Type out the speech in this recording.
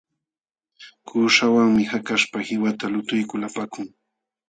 Kuuśhawanmi hakaśhpa qiwata lutuykul apakun.